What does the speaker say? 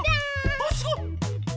あすごい！